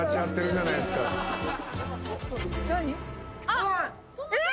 あっ。